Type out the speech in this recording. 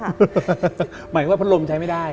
หมายความว่าพัดลมใช้ไม่ได้